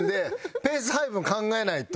ペース配分考えないと。